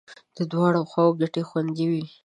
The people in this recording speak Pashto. د دواړو خواو ګټې خوندي وې.